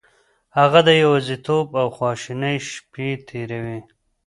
هغه د يوازيتوب او خواشينۍ شپې تېروي.